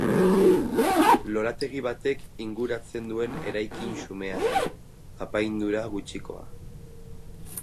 Lorategi batek inguratzen duen eraikin xumea da, apaindura gutxikoa.